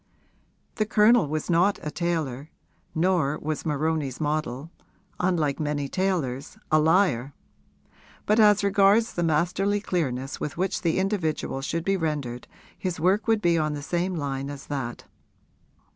The Colonel was not a tailor, nor was Moroni's model, unlike many tailors, a liar; but as regards the masterly clearness with which the individual should be rendered his work would be on the same line as that.